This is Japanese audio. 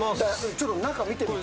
ちょっと中見てみて。